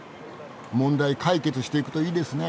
問題解決していくといいですね。